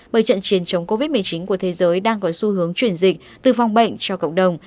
bởi trận chiến chống covid một mươi chín của thế giới đang có xu hướng chuyển dịch từ phòng bệnh cho cộng đồng